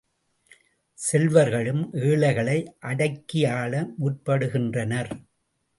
செல்வர்களும் ஏழைகளை அடக்கி ஆள முற்படுகின்றனர்.